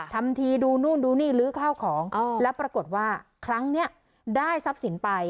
ทำทีดูนู่นดูนี่ลื้อข้าวของแล้วปรากฏว่าครั้งนี้ได้ทรัพย์สินไป